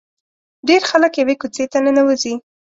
ډېر خلک یوې کوڅې ته ننوځي.